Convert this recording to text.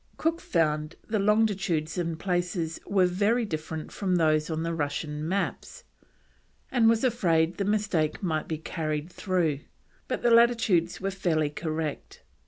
Cook found the longitudes in places were very different from those on the Russian maps, and was afraid the mistake might be carried through, but the latitudes were fairly correct.